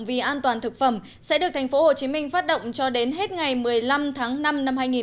và thực phẩm sẽ được thành phố hồ chí minh phát động cho đến hết ngày một mươi năm tháng năm năm hai nghìn một mươi bảy